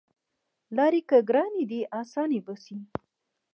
لاری که ګرانې دي اسانې به شي